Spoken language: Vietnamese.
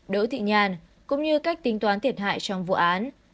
đỗ thị nhàn cũng như cách tính toán thiệt hại trong vụ án